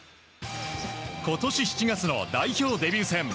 今年７月の代表デビュー戦。